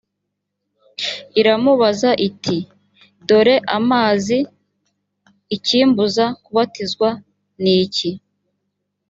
iramubaza iti dore amazi ikimbuza kubatizwa ni iki‽